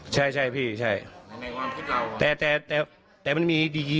ถ้าไม่หนีก็ต้องอยู่ที่นั้นต้องดู